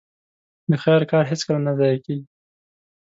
د خير کار هيڅکله نه ضايع کېږي.